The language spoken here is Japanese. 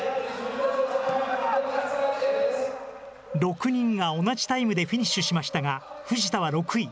６人が同じタイムでフィニッシュしましたが、藤田は６位。